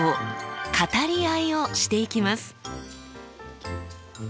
語り合いをしていきます。